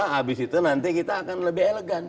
habis itu nanti kita akan lebih elegan